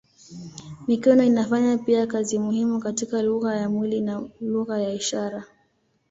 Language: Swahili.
Mikono inafanya pia kazi muhimu katika lugha ya mwili na lugha ya ishara.